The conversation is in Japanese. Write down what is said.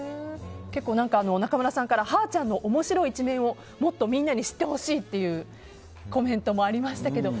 中村さんからはーちゃんの面白い一面をもっとみんなに知ってほしいというコメントもありましたけど。